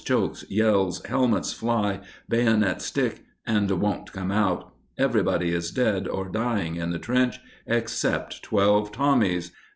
Chokes! Yells! Helmets fly, bayonets stick And won't come out! Everybody is dead or dying in the trench except twelve Tommies!